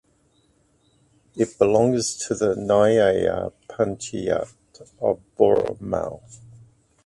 It belongs to the nyaya panchayat of Bhoremau.